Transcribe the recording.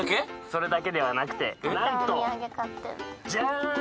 それだけではなくてなんとジャン！